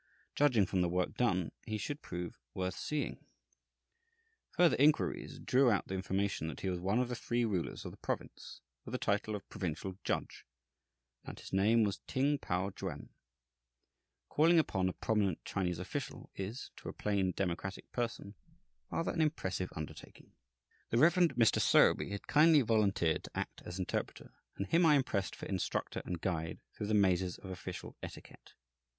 Judging from the work done, he should prove worth seeing. Further inquiries drew out the information that he was one of the three rulers of the province, with the title of provincial judge, and that his name was Ting Pao Chuen. Calling upon a prominent Chinese official is, to a plain, democratic person, rather an impressive undertaking. The Rev. Mr. Sowerby had kindly volunteered to act as interpreter, and him I impressed for instructor and guide through the mazes of official etiquette.